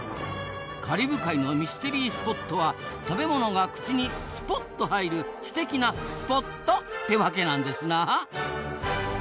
カリブ海のミステリースポットは食べ物が口に「スポッと」入るすてきなスポットってわけなんですな。